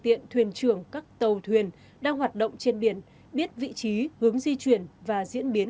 tiện thuyền trưởng các tàu thuyền đang hoạt động trên biển biết vị trí hướng di chuyển và diễn biến